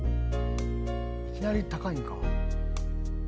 いきなり高いんか。